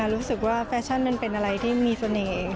รู้สึกว่าแฟชั่นมันเป็นอะไรที่มีเสน่ห์